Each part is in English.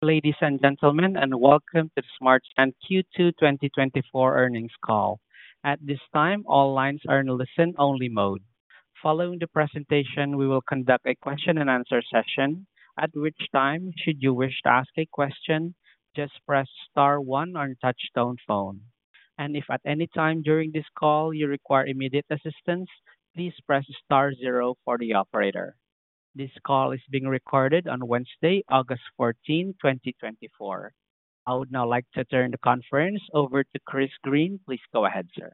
Ladies and gentlemen, welcome to the Smart Sand Q2 2024 Earnings Call. At this time, all lines are in listen-only mode. Following the presentation, we will conduct a question and answer session, at which time, should you wish to ask a question, just press star one on your touchtone phone. If at any time during this call you require immediate assistance, please press star zero for the operator. This call is being recorded on Wednesday, August 14th, 2024. I would now like to turn the conference over to Chris Green. Please go ahead, sir.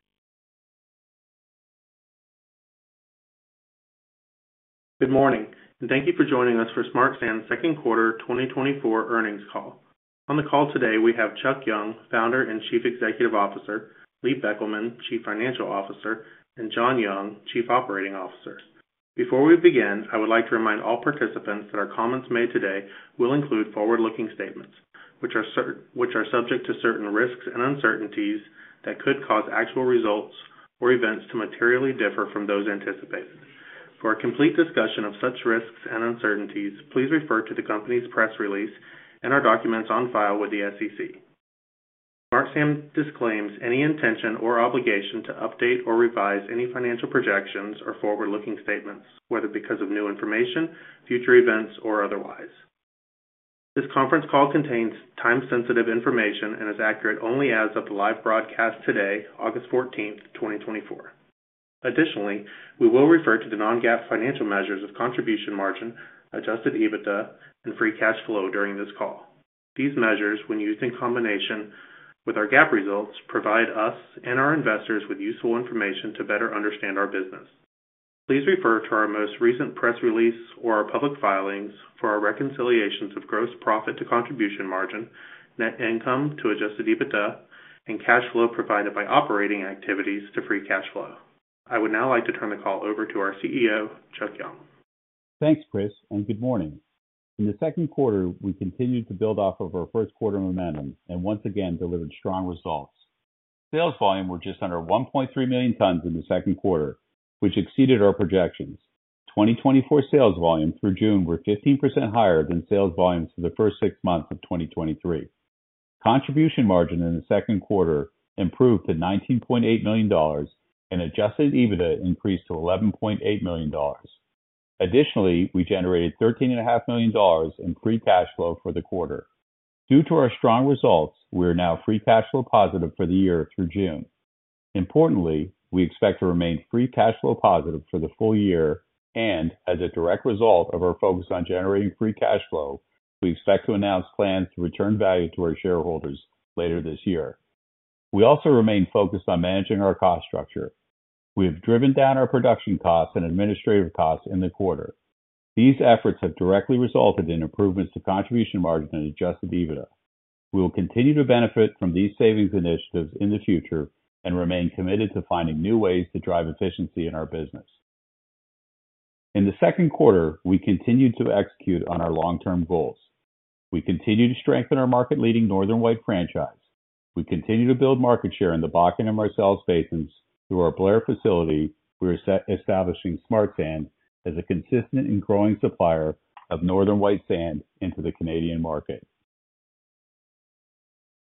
Good morning, and thank you for joining us for Smart Sand's second quarter 2024 earnings call. On the call today, we have Charles Young, Founder and Chief Executive Officer, Lee Beckelman, Chief Financial Officer, and John Young, Chief Operating Officer. Before we begin, I would like to remind all participants that our comments made today will include forward-looking statements, which are subject to certain risks and uncertainties that could cause actual results or events to materially differ from those anticipated. For a complete discussion of such risks and uncertainties, please refer to the company's press release and our documents on file with the SEC. Smart Sand disclaims any intention or obligation to update or revise any financial projections or forward-looking statements, whether because of new information, future events, or otherwise. This conference call contains time-sensitive information and is accurate only as of the live broadcast today, August 14, 2024. Additionally, we will refer to the non-GAAP financial measures of contribution margin, Adjusted EBITDA, and free cash flow during this call. These measures, when used in combination with our GAAP results, provide us and our investors with useful information to better understand our business. Please refer to our most recent press release or our public filings for our reconciliations of gross profit to contribution margin, net income to Adjusted EBITDA, and cash flow provided by operating activities to free cash flow. I would now like to turn the call over to our CEO, Charles Young. Thanks, Chris, and good morning. In the second quarter, we continued to build off of our first quarter momentum and once again delivered strong results. Sales volume were just under 1.3 million tons in the second quarter, which exceeded our projections. 2024 sales volume through June were 15% higher than sales volumes for the first six months of 2023. Contribution margin in the second quarter improved to $19.8 million, and adjusted EBITDA increased to $11.8 million. Additionally, we generated $13.5 million in free cash flow for the quarter. Due to our strong results, we are now free cash flow positive for the year through June. Importantly, we expect to remain free cash flow positive for the full year, and as a direct result of our focus on generating free cash flow, we expect to announce plans to return value to our shareholders later this year. We also remain focused on managing our cost structure. We have driven down our production costs and administrative costs in the quarter. These efforts have directly resulted in improvements to contribution margin and Adjusted EBITDA. We will continue to benefit from these savings initiatives in the future and remain committed to finding new ways to drive efficiency in our business. In the second quarter, we continued to execute on our long-term goals. We continue to strengthen our market-leading Northern White franchise. We continue to build market share in the Bakken and Marcellus basins. Through our Blair facility, we are establishing Smart Sand as a consistent and growing supplier of Northern White sand into the Canadian market.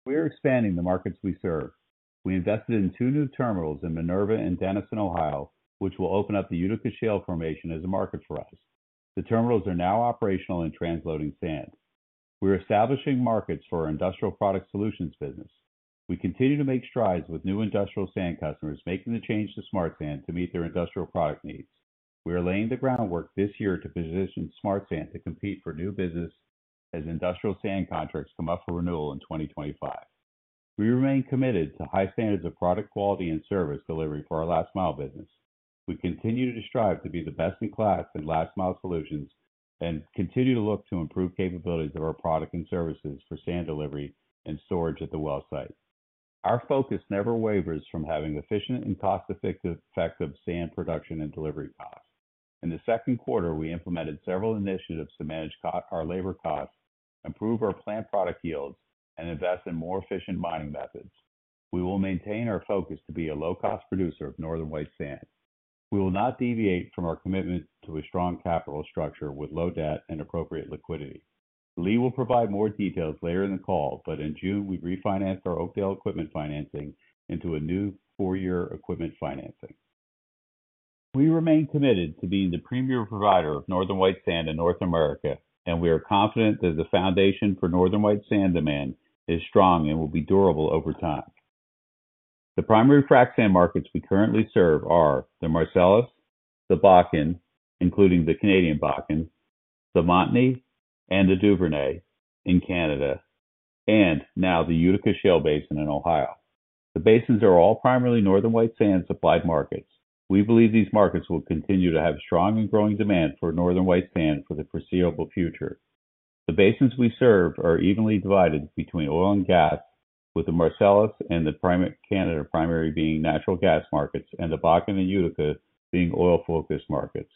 We are expanding the markets we serve. We invested in two new terminals in Minerva and Denison, Ohio, which will open up the Utica Shale formation as a market for us. The terminals are now operational in transloading sand. We are establishing markets for our Industrial Product Solutions business. We continue to make strides with new industrial sand customers, making the change to Smart Sand to meet their industrial product needs. We are laying the groundwork this year to position Smart Sand to compete for new business as industrial sand contracts come up for renewal in 2025. We remain committed to high standards of product quality and service delivery for our last mile business. We continue to strive to be the best in class in last mile solutions and continue to look to improve capabilities of our product and services for sand delivery and storage at the well site. Our focus never wavers from having efficient and cost effective, effective sand production and delivery costs. In the second quarter, we implemented several initiatives to manage our labor costs, improve our plant product yields, and invest in more efficient mining methods. We will maintain our focus to be a low-cost producer of Northern White sand. We will not deviate from our commitment to a strong capital structure with low debt and appropriate liquidity. Lee will provide more details later in the call, but in June, we refinanced our Oakdale equipment financing into a new four-year equipment financing. We remain committed to being the premier provider of Northern White sand in North America, and we are confident that the foundation for Northern White sand demand is strong and will be durable over time. The primary frac sand markets we currently serve are the Marcellus, the Bakken, including the Canadian Bakken, the Montney, and the Duvernay in Canada, and now the Utica Shale Basin in Ohio. The basins are all primarily Northern White sand supplied markets. We believe these markets will continue to have strong and growing demand for Northern White sand for the foreseeable future. The basins we serve are evenly divided between oil and gas, with the Marcellus and the primarily Canadian being natural gas markets and the Bakken and Utica being oil-focused markets.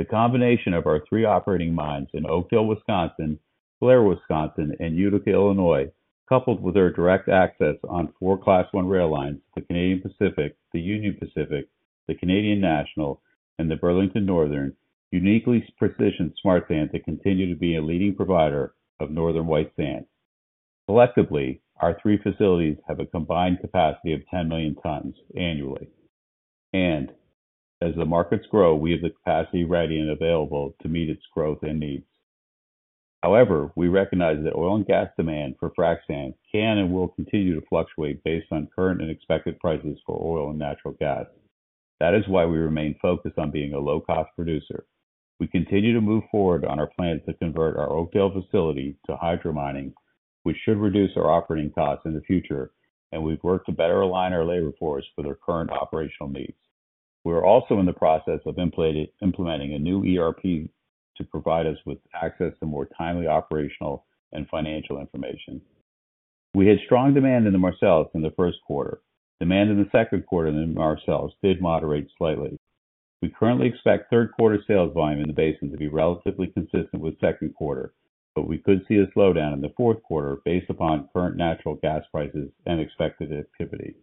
The combination of our three operating mines in Oakdale, Wisconsin, Blair, Wisconsin, and Utica, Illinois, coupled with our direct access on four Class One rail lines, the Canadian Pacific, the Union Pacific, the Canadian National, and the Burlington Northern, uniquely positioned Smart Sand to continue to be a leading provider of Northern White Sand. Collectively, our three facilities have a combined capacity of 10 million tons annually, and as the markets grow, we have the capacity ready and available to meet its growth and needs. However, we recognize that oil and gas demand for frac sand can and will continue to fluctuate based on current and expected prices for oil and natural gas. That is why we remain focused on being a low-cost producer. We continue to move forward on our plans to convert our Oakdale facility to hydro mining, which should reduce our operating costs in the future, and we've worked to better align our labor force for their current operational needs. We're also in the process of implementing a new ERP to provide us with access to more timely, operational, and financial information. We had strong demand in the Marcellus in the first quarter. Demand in the second quarter in the Marcellus did moderate slightly. We currently expect third quarter sales volume in the basin to be relatively consistent with second quarter, but we could see a slowdown in the fourth quarter based upon current natural gas prices and expected activity.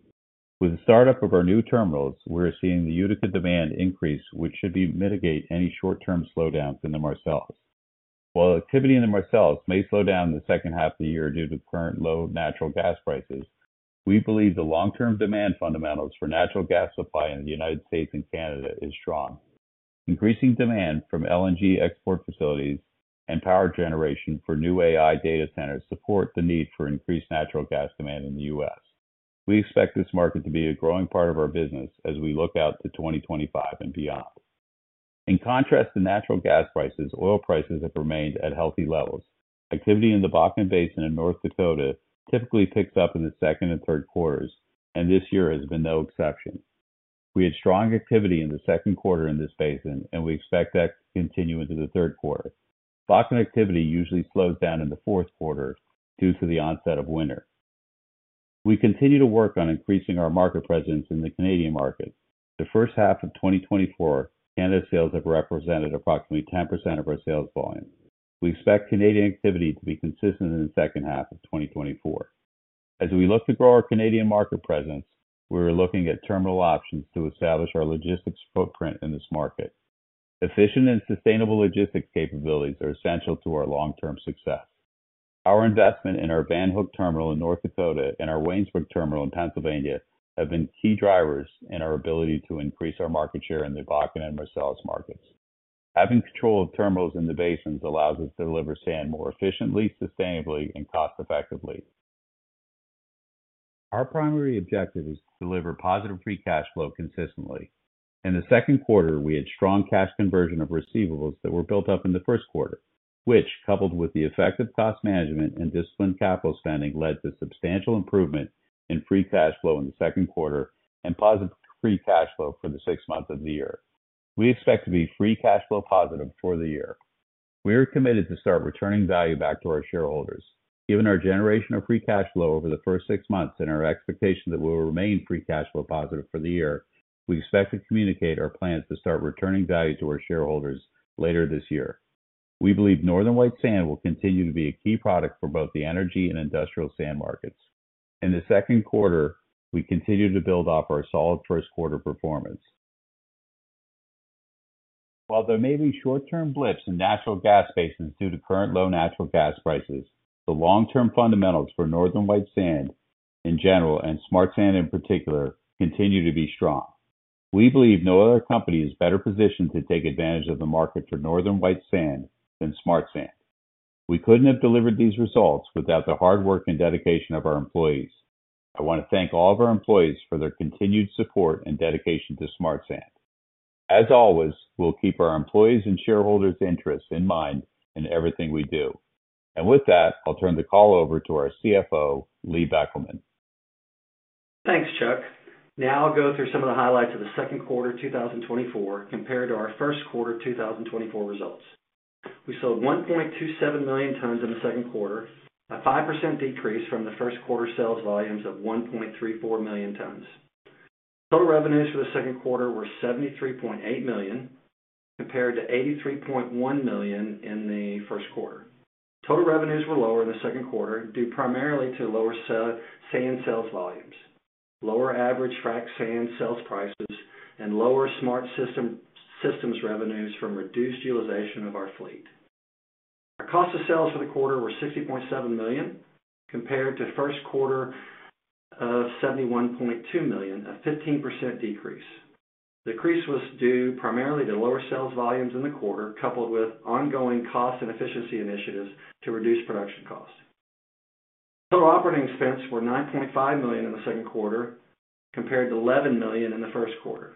With the startup of our new terminals, we're seeing the Utica demand increase, which should mitigate any short-term slowdowns in the Marcellus. While activity in the Marcellus may slow down in the second half of the year due to current low natural gas prices, we believe the long-term demand fundamentals for natural gas supply in the United States and Canada is strong. Increasing demand from LNG export facilities and power generation for new AI data centers support the need for increased natural gas demand in the U.S. We expect this market to be a growing part of our business as we look out to 2025 and beyond. In contrast to natural gas prices, oil prices have remained at healthy levels. Activity in the Bakken Basin in North Dakota typically picks up in the second and third quarters, and this year has been no exception. We had strong activity in the second quarter in this basin, and we expect that to continue into the third quarter. Bakken activity usually slows down in the fourth quarter due to the onset of winter. We continue to work on increasing our market presence in the Canadian market. The first half of 2024, Canada sales have represented approximately 10% of our sales volume. We expect Canadian activity to be consistent in the second half of 2024. As we look to grow our Canadian market presence, we're looking at terminal options to establish our logistics footprint in this market. Efficient and sustainable logistics capabilities are essential to our long-term success. Our investment in our Van Hook terminal in North Dakota and our Waynesburg terminal in Pennsylvania have been key drivers in our ability to increase our market share in the Bakken and Marcellus markets. Having control of terminals in the basins allows us to deliver sand more efficiently, sustainably, and cost-effectively. Our primary objective is to deliver positive free cash flow consistently. In the second quarter, we had strong cash conversion of receivables that were built up in the first quarter, which, coupled with the effective cost management and disciplined capital spending, led to substantial improvement in free cash flow in the second quarter and positive free cash flow for the six months of the year. We expect to be free cash flow positive for the year. We are committed to start returning value back to our shareholders. Given our generation of free cash flow over the first six months, and our expectation that we will remain free cash flow positive for the year, we expect to communicate our plans to start returning value to our shareholders later this year. We believe Northern White sand will continue to be a key product for both the energy and industrial sand markets. In the second quarter, we continued to build off our solid first quarter performance. While there may be short-term blips in natural gas basins due to current low natural gas prices, the long-term fundamentals for Northern White sand in general, and Smart Sand in particular, continue to be strong. We believe no other company is better positioned to take advantage of the market for Northern White sand than Smart Sand. We couldn't have delivered these results without the hard work and dedication of our employees. I want to thank all of our employees for their continued support and dedication to Smart Sand. As always, we'll keep our employees' and shareholders' interests in mind in everything we do. With that, I'll turn the call over to our CFO, Lee Beckelman. Thanks, Charles. Now I'll go through some of the highlights of the second quarter 2024 compared to our first quarter 2024 results. We sold 1.27 million tons in the second quarter, a 5% decrease from the first quarter sales volumes of 1.34 million tons. Total revenues for the second quarter were $73.8 million, compared to $83.1 million in the first quarter. Total revenues were lower in the second quarter, due primarily to lower sand sales volumes, lower average frac sand sales prices, and lower SmartSystems revenues from reduced utilization of our fleet. Our cost of sales for the quarter were $60.7 million, compared to first quarter of $71.2 million, a 15% decrease. Decrease was due primarily to lower sales volumes in the quarter, coupled with ongoing cost and efficiency initiatives to reduce production costs. Total operating expenses were $9.5 million in the second quarter, compared to $11 million in the first quarter.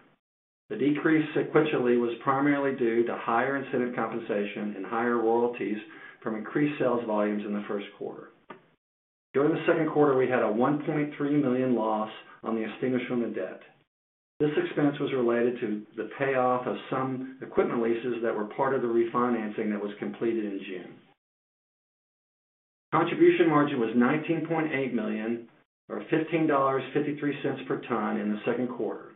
The decrease sequentially was primarily due to higher incentive compensation and higher royalties from increased sales volumes in the first quarter. During the second quarter, we had a $1.3 million loss on the extinguishment of debt. This expense was related to the payoff of some equipment leases that were part of the refinancing that was completed in June. Contribution margin was $19.8 million, or $15.53 per ton in the second quarter.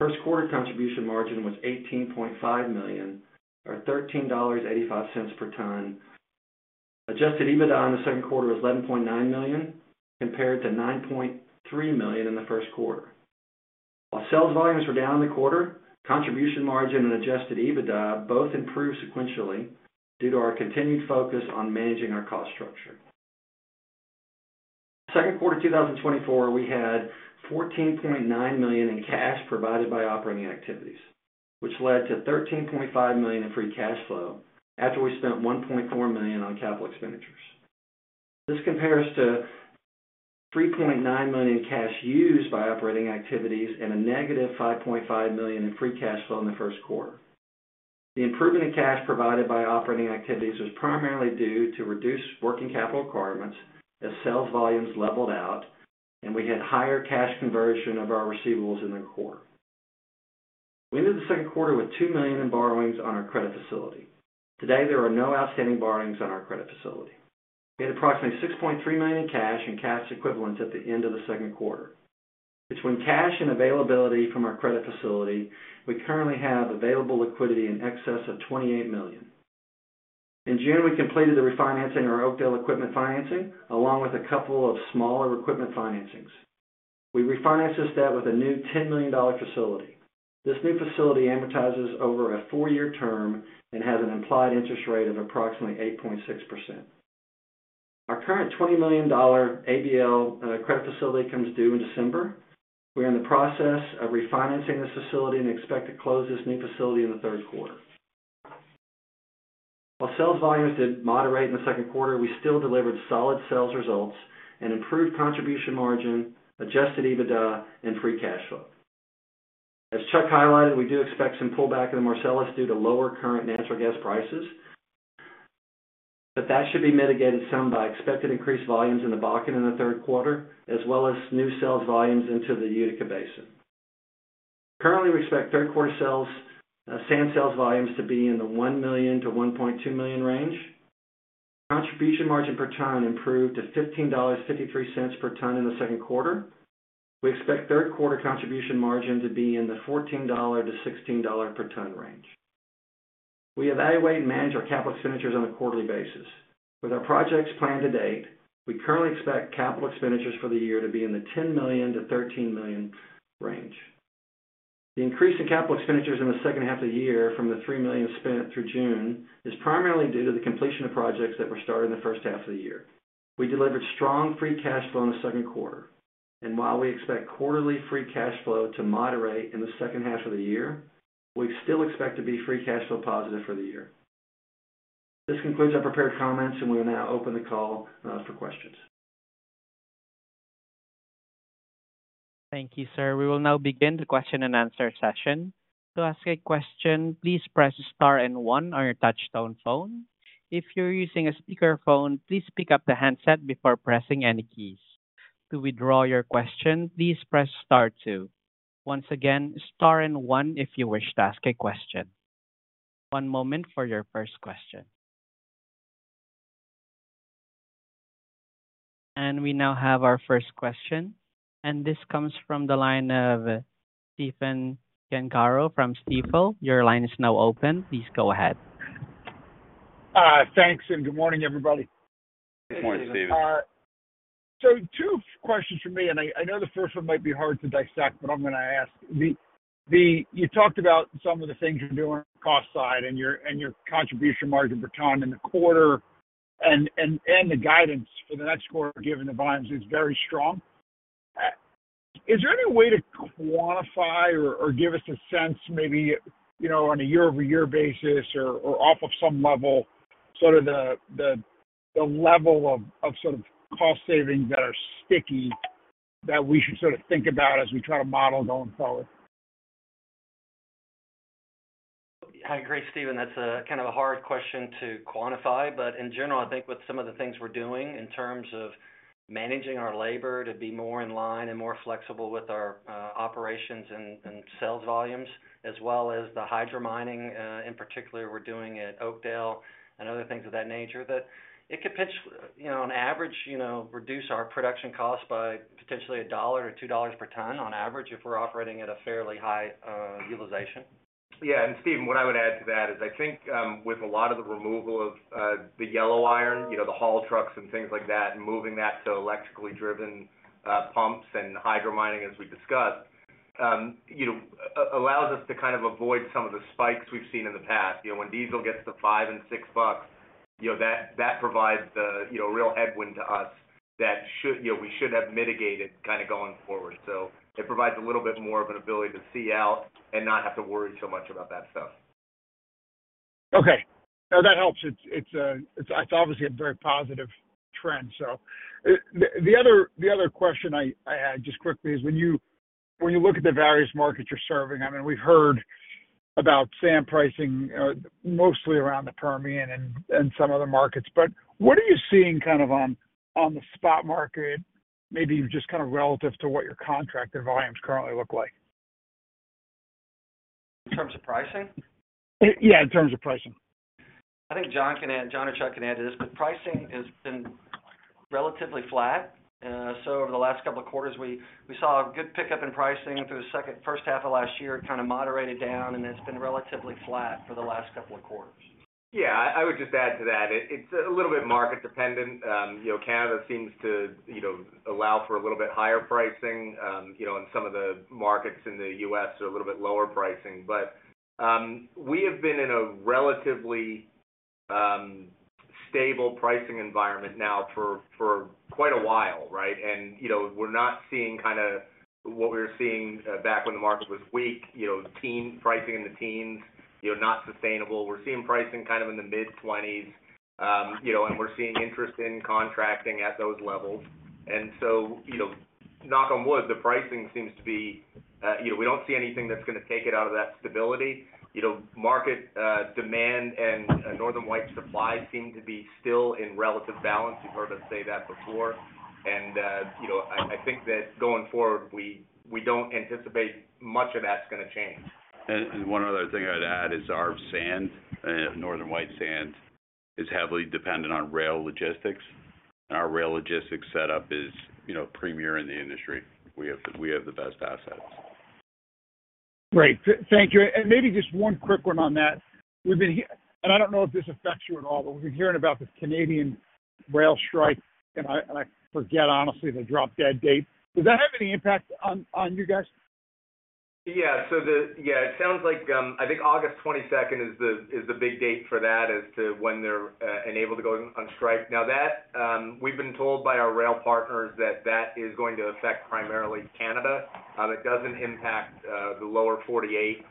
First quarter contribution margin was $18.5 million, or $13.85 per ton. Adjusted EBITDA in the second quarter was $11.9 million, compared to $9.3 million in the first quarter. While sales volumes were down in the quarter, contribution margin and Adjusted EBITDA both improved sequentially due to our continued focus on managing our cost structure. Second quarter, 2024, we had $14.9 million in cash provided by operating activities, which led to $13.5 million in free cash flow after we spent $1.4 million on capital expenditures. This compares to $3.9 million in cash used by operating activities and a negative $5.5 million in free cash flow in the first quarter. The improvement in cash provided by operating activities was primarily due to reduced working capital requirements as sales volumes leveled out, and we had higher cash conversion of our receivables in the quarter. We ended the second quarter with $2 million in borrowings on our credit facility. Today, there are no outstanding borrowings on our credit facility. We had approximately $6.3 million in cash and cash equivalents at the end of the second quarter. Between cash and availability from our credit facility, we currently have available liquidity in excess of $28 million. In June, we completed the refinancing of our Oakdale equipment financing, along with a couple of smaller equipment financings. We refinanced this debt with a new $10 million facility. This new facility amortizes over a four-year term and has an implied interest rate of approximately 8.6%. Our current $20 million ABL credit facility comes due in December. We are in the process of refinancing this facility and expect to close this new facility in the third quarter. While sales volumes did moderate in the second quarter, we still delivered solid sales results and improved contribution margin, Adjusted EBITDA and free cash flow. As Charles highlighted, we do expect some pullback in the Marcellus due to lower current natural gas prices, but that should be mitigated some by expected increased volumes in the Bakken in the third quarter, as well as new sales volumes into the Utica Basin. Currently, we expect third quarter sales, sand sales volumes to be in the 1 million to 1.2 million range. Contribution margin per ton improved to $15.53 per ton in the second quarter. We expect third quarter contribution margin to be in the $14-$16 per ton range. We evaluate and manage our capital expenditures on a quarterly basis. With our projects planned to date, we currently expect capital expenditures for the year to be in the $10 million-$13 million range. The increase in capital expenditures in the second half of the year, from the $3 million spent through June, is primarily due to the completion of projects that were started in the first half of the year. We delivered strong free cash flow in the second quarter, and while we expect quarterly free cash flow to moderate in the second half of the year, we still expect to be free cash flow positive for the year. This concludes our prepared comments, and we will now open the call for questions. Thank you, sir. We will now begin the question and answer session. To ask a question, please press star and one on your touchtone phone. If you're using a speakerphone, please pick up the handset before pressing any keys. To withdraw your question, please press star two. Once again, star and one if you wish to ask a question. One moment for your first question. And we now have our first question, and this comes from the line of Stephen Gengaro from Stifel. Your line is now open. Please go ahead. Thanks, and good morning, everybody. Good morning, Stephen. So two questions from me, and I know the first one might be hard to dissect, but I'm gonna ask. You talked about some of the things you're doing on the cost side and your contribution margin per ton in the quarter, and the guidance for the next quarter, given the volumes, is very strong. Is there any way to quantify or give us a sense, maybe, you know, on a year-over-year basis or off of some level, sort of the level of sort of cost savings that are sticky, that we should sort of think about as we try to model going forward? Hi. Great, Stephen. That's a kind of a hard question to quantify, but in general, I think with some of the things we're doing in terms of managing our labor to be more in line and more flexible with our operations and sales volumes, as well as the hydro mining in particular we're doing at Oakdale and other things of that nature, that it could potentially, you know, on average, you know, reduce our production costs by potentially $1 or $2 per ton on average, if we're operating at a fairly high utilization. Yeah, and Stephen, what I would add to that is, I think, with a lot of the removal of, the yellow iron, you know, the haul trucks and things like that, and moving that to electrically driven, pumps and hydro mining, as we discussed, you know, allows us to kind of avoid some of the spikes we've seen in the past. You know, when diesel gets to $5 and $6 bucks, you know, that, that provides the, you know, real headwind to us that should... You know, we should have mitigated kind of going forward. So it provides a little bit more of an ability to see out and not have to worry so much about that stuff. Okay. No, that helps. It's obviously a very positive trend. So the other question I had, just quickly, is when you look at the various markets you're serving, I mean, we've heard about sand pricing, mostly around the Permian and some other markets, but what are you seeing kind of on the spot market, maybe just kind of relative to what your contracted volumes currently look like? In terms of pricing? Yeah, in terms of pricing. I think John or Charles can add to this, but pricing has been...... relatively flat. And so over the last couple of quarters, we saw a good pickup in pricing through the first half of last year, it kind of moderated down, and it's been relatively flat for the last couple of quarters. Yeah, I would just add to that. It's a little bit market dependent. You know, Canada seems to, you know, allow for a little bit higher pricing, you know, and some of the markets in the U.S. are a little bit lower pricing. But, we have been in a relatively stable pricing environment now for quite a while, right? And, you know, we're not seeing kinda what we were seeing back when the market was weak, you know, pricing in the teens, you know, not sustainable. We're seeing pricing kind of in the mid-20s, you know, and we're seeing interest in contracting at those levels. And so, you know, knock on wood, the pricing seems to be, you know, we don't see anything that's gonna take it out of that stability. You know, market demand and Northern White sand supply seem to be still in relative balance. You've heard us say that before. And you know, I think that going forward, we don't anticipate much of that's gonna change. And one other thing I'd add is our sand, Northern White sand, is heavily dependent on rail logistics, and our rail logistics setup is, you know, premier in the industry. We have the best assets. Great. Thank you. And maybe just one quick one on that. We've been hearing and I don't know if this affects you at all, but we've been hearing about the Canadian rail strike, and I forget, honestly, the drop-dead date. Does that have any impact on you guys? Yeah, so it sounds like I think August 22nd is the big date for that as to when they're enabled to go on strike. Now that we've been told by our rail partners that that is going to affect primarily Canada. That doesn't impact the lower 48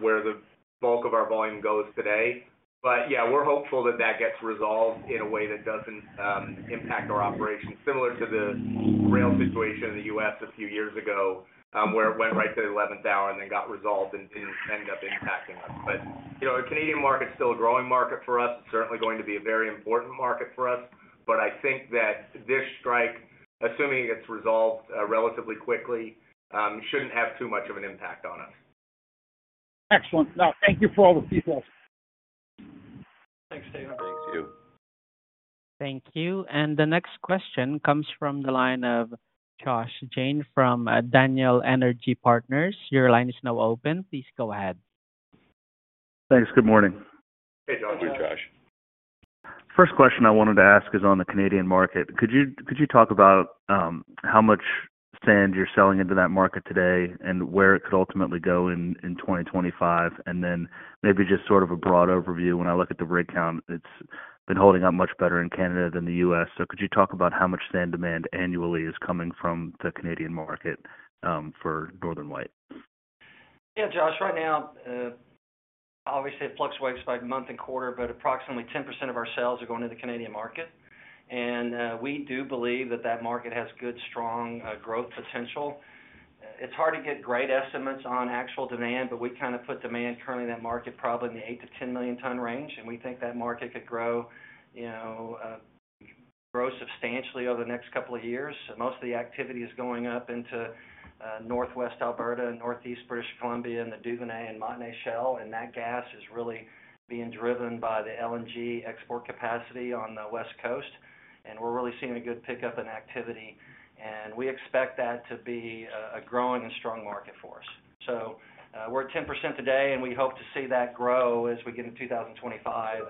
where the bulk of our volume goes today. But yeah, we're hopeful that that gets resolved in a way that doesn't impact our operations, similar to the rail situation in the U.S. a few years ago, where it went right to the eleventh hour and then got resolved and didn't end up impacting us. But, you know, the Canadian market is still a growing market for us. It's certainly going to be a very important market for us, but I think that this strike, assuming it's resolved, relatively quickly, shouldn't have too much of an impact on us. Excellent. No, thank you for all the details. Thanks, David. Thank you. Thank you. And the next question comes from the line of Josh Jayne from Daniel Energy Partners. Your line is now open. Please go ahead. Thanks. Good morning. Hey, Josh. Good, Josh. First question I wanted to ask is on the Canadian market. Could you talk about how much sand you're selling into that market today, and where it could ultimately go in 2025? And then maybe just sort of a broad overview. When I look at the rig count, it's been holding up much better in Canada than the US. So could you talk about how much sand demand annually is coming from the Canadian market for Northern White? Yeah, Josh. Right now, obviously, it fluctuates by month and quarter, but approximately 10% of our sales are going to the Canadian market. And we do believe that that market has good, strong growth potential. It's hard to get great estimates on actual demand, but we kinda put demand currently in that market, probably in the 8-10 million ton range, and we think that market could grow, you know, grow substantially over the next couple of years. Most of the activity is going up into Northwest Alberta and Northeast British Columbia, in the Duvernay and Montney shale, and that gas is really being driven by the LNG export capacity on the West Coast. And we're really seeing a good pickup in activity, and we expect that to be a growing and strong market for us. We're at 10% today, and we hope to see that grow as we get into 2025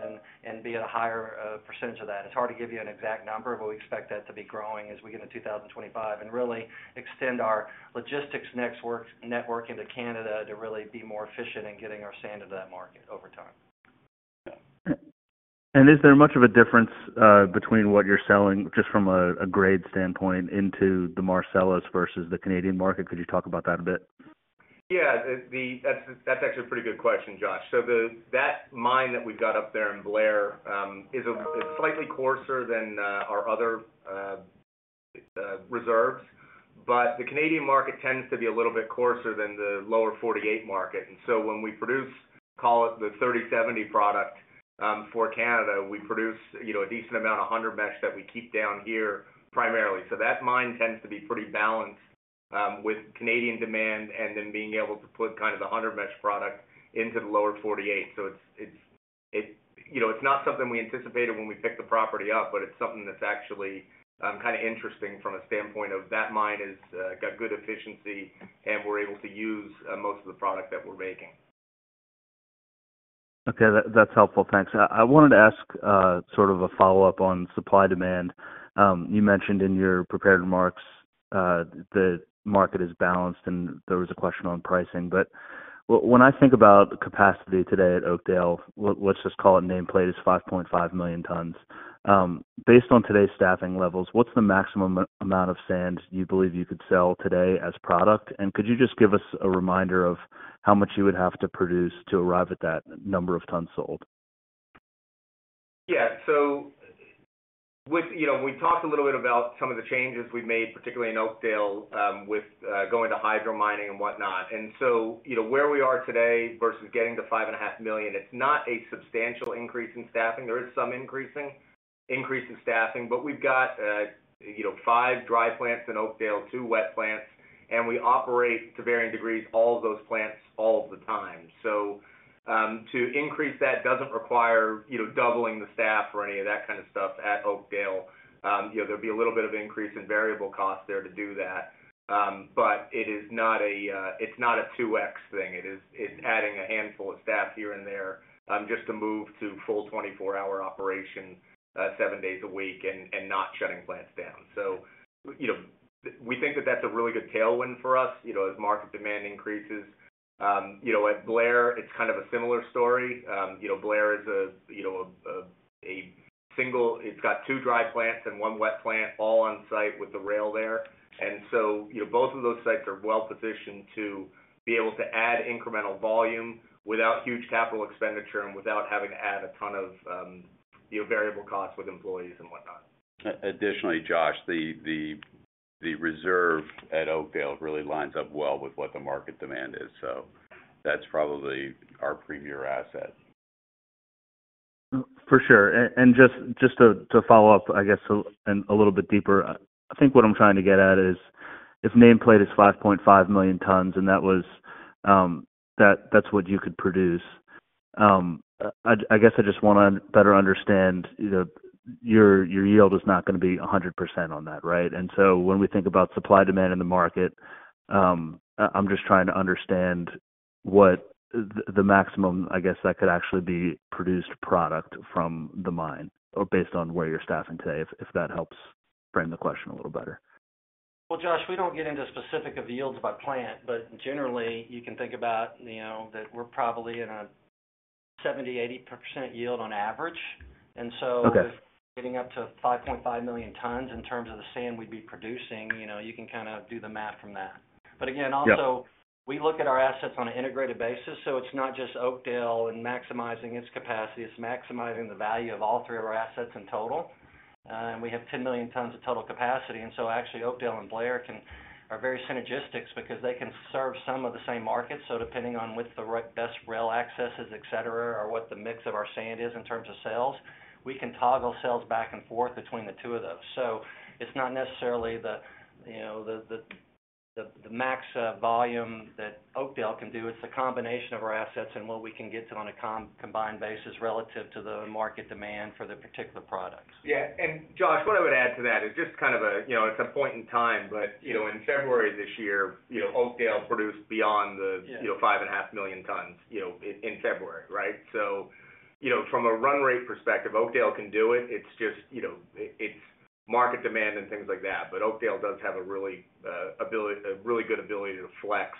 and be at a higher percentage of that. It's hard to give you an exact number, but we expect that to be growing as we get to 2025 and really extend our logistics network into Canada to really be more efficient in getting our sand into that market over time. Is there much of a difference between what you're selling, just from a grade standpoint, into the Marcellus versus the Canadian market? Could you talk about that a bit? Yeah, that's actually a pretty good question, Josh. So that mine that we've got up there in Blair is slightly coarser than our other reserves. But the Canadian market tends to be a little bit coarser than the lower 48 market. And so when we produce, call it the 30/70 product, for Canada, we produce, you know, a decent amount of 100 mesh that we keep down here primarily. So that mine tends to be pretty balanced with Canadian demand and then being able to put kind of the 100 mesh product into the lower 48. So it's You know, it's not something we anticipated when we picked the property up, but it's something that's actually kinda interesting from a standpoint of that mine has got good efficiency, and we're able to use most of the product that we're making. Okay, that, that's helpful. Thanks. I, I wanted to ask, sort of a follow-up on supply, demand. You mentioned in your prepared remarks, the market is balanced, and there was a question on pricing. But when I think about the capacity today at Oakdale, let's just call it nameplate, is 5.5 million tons. Based on today's staffing levels, what's the maximum amount of sand you believe you could sell today as product? And could you just give us a reminder of how much you would have to produce to arrive at that number of tons sold? Yeah. So with you know, we've talked a little bit about some of the changes we've made, particularly in Oakdale, with going to hydro mining and whatnot. And so, you know, where we are today versus getting to 5.5 million, it's not a substantial increase in staffing. There is some increase in staffing, but we've got you know, 5 dry plants in Oakdale, 2 wet plants, and we operate, to varying degrees, all of those plants all of the time. So, to increase that doesn't require you know, doubling the staff or any of that kind of stuff at Oakdale. You know, there'll be a little bit of increase in variable costs there to do that. But it is not a, it's not a 2x thing. It is, it's adding a handful of staff here and there, just to move to full 24-hour operation, seven days a week and not shutting plants down. So, you know, we think that that's a really good tailwind for us, you know, as market demand increases. You know, at Blair, it's kind of a similar story. You know, Blair is a single—it's got two dry plants and one wet plant, all on site with the rail there. And so, you know, both of those sites are well positioned to be able to add incremental volume without huge capital expenditure and without having to add a ton of, you know, variable costs with employees and whatnot. Additionally, Josh, the reserve at Oakdale really lines up well with what the market demand is, so that's probably our premier asset. For sure. And just to follow up, I guess, and a little bit deeper. I think what I'm trying to get at is, if nameplate is 5.5 million tons, and that was... That, that's what you could produce. I guess I just wanna better understand, you know, your yield is not gonna be 100% on that, right? And so when we think about supply demand in the market, I'm just trying to understand what the maximum, I guess, that could actually be produced product from the mine or based on where you're staffing today, if that helps frame the question a little better. Well, Josh, we don't get into specifics of the yields by plant, but generally, you can think about, you know, that we're probably in a 70%-80% yield on average. Okay. And so getting up to 5.5 million tons in terms of the sand we'd be producing, you know, you can kind of do the math from that. Yeah. But again, also, we look at our assets on an integrated basis, so it's not just Oakdale and maximizing its capacity, it's maximizing the value of all three of our assets in total. And we have 10 million tons of total capacity, and so actually, Oakdale and Blair are very synergistic because they can serve some of the same markets. So depending on which the best rail access is, et cetera, or what the mix of our sand is in terms of sales, we can toggle sales back and forth between the two of those. So it's not necessarily the, you know, the max volume that Oakdale can do, it's the combination of our assets and what we can get to on a combined basis relative to the market demand for the particular products. Yeah, and Josh, what I would add to that is just kind of a, you know, it's a point in time, but, you know, in February this year, you know, Oakdale produced beyond the- Yeah You know, 5.5 million tons, you know, in February, right? So, you know, from a run rate perspective, Oakdale can do it. It's just, you know, it, it's market demand and things like that. But Oakdale does have a really good ability to flex,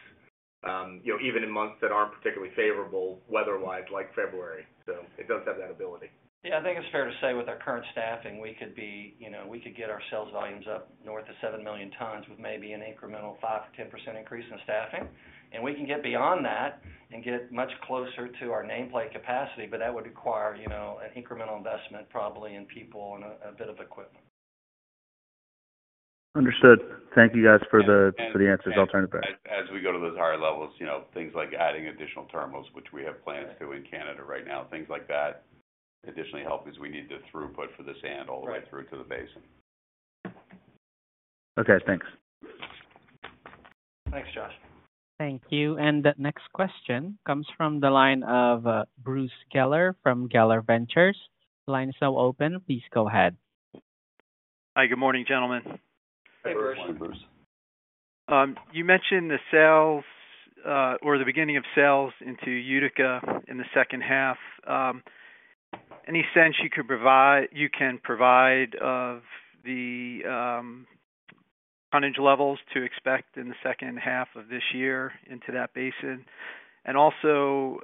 you know, even in months that aren't particularly favorable weather-wise, like February. So it does have that ability. Yeah, I think it's fair to say with our current staffing, you know, we could get our sales volumes up north of 7 million tons with maybe an incremental 5%-10% increase in staffing. We can get beyond that and get much closer to our nameplate capacity, but that would require, you know, an incremental investment, probably in people and a bit of equipment. Understood. Thank you, guys, for the- And- for the answers. I'll turn it back. As we go to those higher levels, you know, things like adding additional terminals, which we have plans to in Canada right now, things like that additionally help as we need the throughput for the sand all the way through to the basin. Okay, thanks. Thanks, Josh. Thank you. The next question comes from the line of Bruce Keller from Keller Ventures. Line is now open. Please go ahead. Hi, good morning, gentlemen. Hey, Bruce. Good morning, Bruce. You mentioned the sales, or the beginning of sales into Utica in the second half. Any sense you can provide of the tonnage levels to expect in the second half of this year into that basin? And also,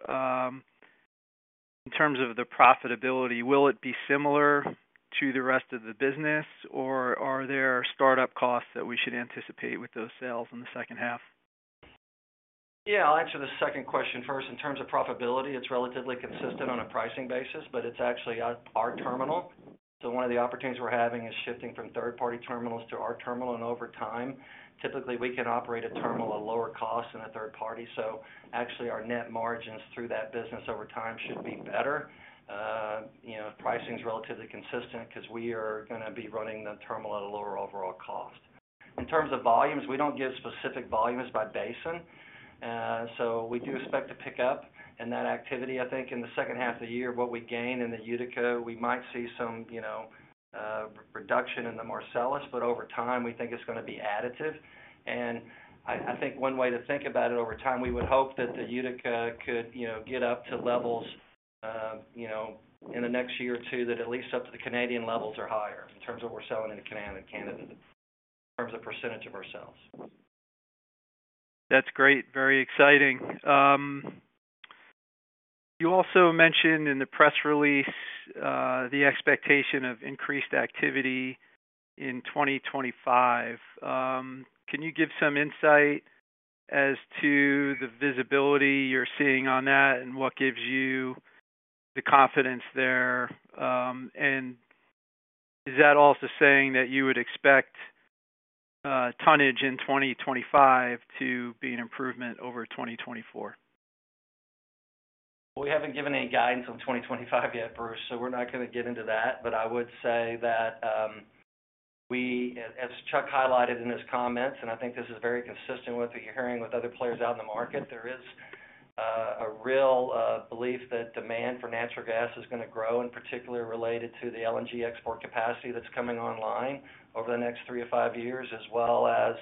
in terms of the profitability, will it be similar to the rest of the business, or are there startup costs that we should anticipate with those sales in the second half? Yeah, I'll answer the second question first. In terms of profitability, it's relatively consistent on a pricing basis, but it's actually at our terminal. So one of the opportunities we're having is shifting from third-party terminals to our terminal. And over time, typically, we can operate a terminal at lower cost than a third party. So actually, our net margins through that business over time should be better. You know, pricing is relatively consistent because we are gonna be running the terminal at a lower overall cost. In terms of volumes, we don't give specific volumes by basin. So we do expect to pick up in that activity. I think in the second half of the year, what we gain in the Utica, we might see some, you know, reduction in the Marcellus, but over time, we think it's gonna be additive. I think one way to think about it over time, we would hope that the Utica could, you know, get up to levels, you know, in the next year or two, that at least up to the Canadian levels are higher in terms of what we're selling in Canada, in terms of percentage of our sales. That's great. Very exciting. You also mentioned in the press release, the expectation of increased activity in 2025. Can you give some insight as to the visibility you're seeing on that and what gives you the confidence there? And is that also saying that you would expect, tonnage in 2025 to be an improvement over 2024? We haven't given any guidance on 2025 yet, Bruce, so we're not gonna get into that. But I would say that, as Charles highlighted in his comments, and I think this is very consistent with what you're hearing with other players out in the market, there is a real belief that demand for natural gas is gonna grow, and particularly related to the LNG export capacity that's coming online over the next 3-5 years, as well as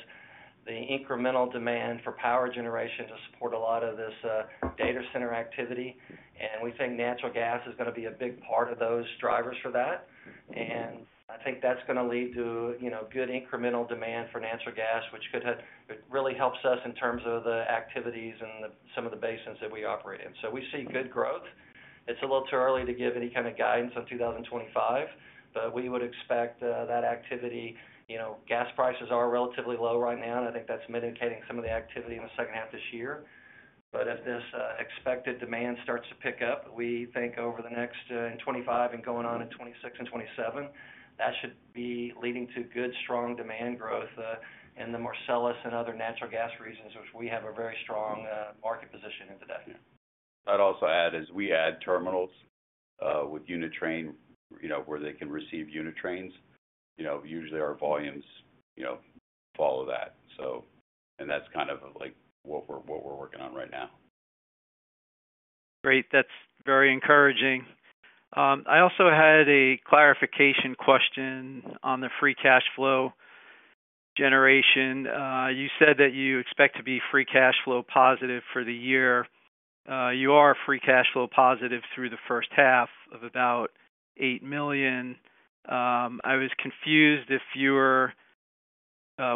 the incremental demand for power generation to support a lot of this data center activity. And we think natural gas is gonna be a big part of those drivers for that. I think that's gonna lead to, you know, good incremental demand for natural gas, which could have it really helps us in terms of the activities and the, some of the basins that we operate in. So we see good growth. It's a little too early to give any kind of guidance on 2025, but we would expect that activity. You know, gas prices are relatively low right now, and I think that's mitigating some of the activity in the second half of this year. But as this expected demand starts to pick up, we think over the next in 2025 and going on in 2026 and 2027, that should be leading to good, strong demand growth in the Marcellus and other natural gas regions, which we have a very strong market position in today. I'd also add, as we add terminals with unit train, you know, where they can receive unit trains, you know, usually our volumes, you know, follow that. So. And that's kind of, like, what we're working on right now. Great. That's very encouraging. I also had a clarification question on the free cash flow generation. You said that you expect to be free cash flow positive for the year. You are free cash flow positive through the first half of about $8 million. I was confused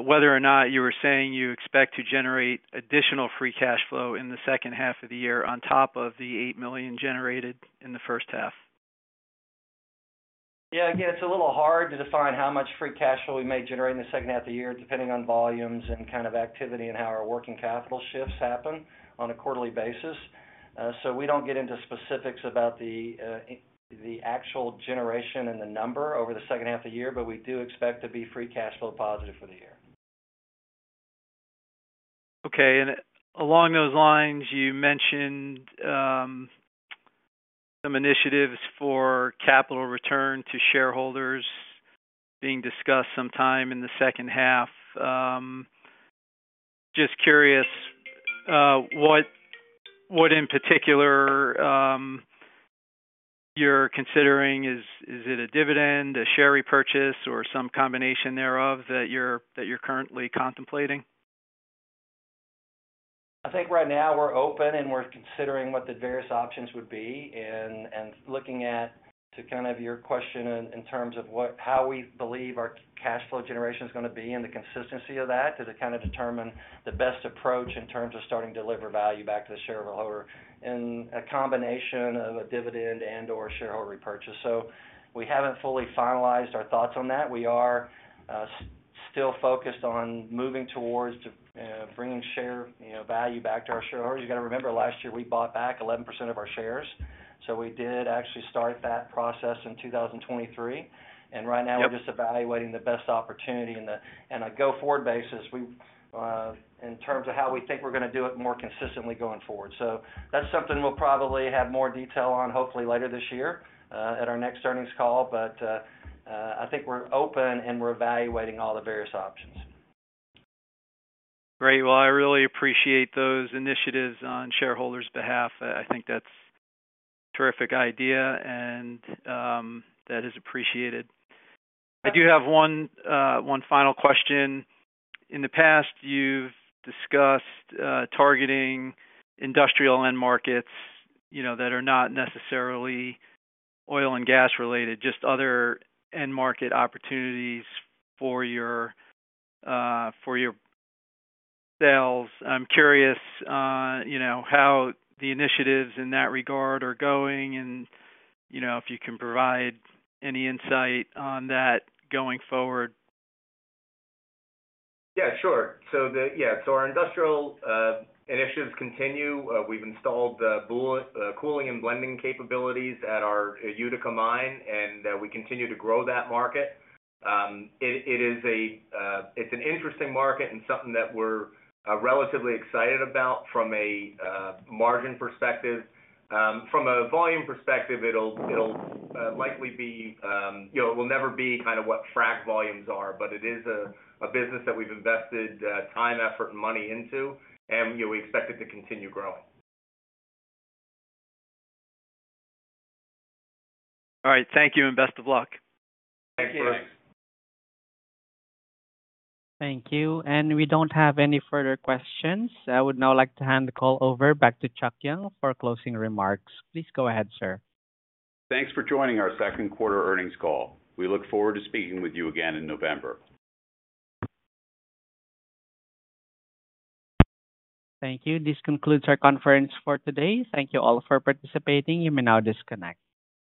whether or not you were saying you expect to generate additional free cash flow in the second half of the year on top of the $8 million generated in the first half? Yeah, again, it's a little hard to define how much free cash flow we may generate in the second half of the year, depending on volumes and kind of activity and how our working capital shifts happen on a quarterly basis. So we don't get into specifics about the actual generation and the number over the second half of the year, but we do expect to be free cash flow positive for the year. Okay. Along those lines, you mentioned some initiatives for capital return to shareholders being discussed sometime in the second half. Just curious, what in particular you're considering. Is it a dividend, a share repurchase, or some combination thereof that you're currently contemplating? I think right now we're open, and we're considering what the various options would be, and looking at, to kind of your question in terms of what, how we believe our cash flow generation is gonna be and the consistency of that, to kind of determine the best approach in terms of starting to deliver value back to the shareholder, and a combination of a dividend and/or share repurchase. So we haven't fully finalized our thoughts on that. We are still focused on moving towards to bringing share, you know, value back to our shareholders. You gotta remember, last year, we bought back 11% of our shares, so we did actually start that process in 2023. Yep. Right now, we're just evaluating the best opportunity on a go-forward basis. We're in terms of how we think we're gonna do it more consistently going forward. So that's something we'll probably have more detail on, hopefully later this year, at our next earnings call. But I think we're open, and we're evaluating all the various options. Great. Well, I really appreciate those initiatives on shareholders' behalf. I think that's terrific idea, and that is appreciated. I do have one final question. In the past, you've discussed targeting industrial end markets, you know, that are not necessarily oil and gas related, just other end market opportunities for your sales. I'm curious, you know, how the initiatives in that regard are going and, you know, if you can provide any insight on that going forward. Yeah, sure. So our industrial initiatives continue. We've installed bulk cooling and blending capabilities at our Utica mine, and we continue to grow that market. It's an interesting market and something that we're relatively excited about from a margin perspective. From a volume perspective, it'll likely be, you know, it will never be kind of what frac volumes are, but it is a business that we've invested time, effort, and money into, and, you know, we expect it to continue growing. All right. Thank you, and best of luck. Thank you. Thanks. Thank you. We don't have any further questions. I would now like to hand the call over back to Charles Young for closing remarks. Please go ahead, sir. Thanks for joining our second quarter earnings call. We look forward to speaking with you again in November. Thank you. This concludes our conference for today. Thank you all for participating. You may now disconnect.